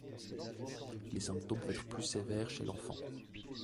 Les symptômes peuvent être plus sévères chez l'enfant.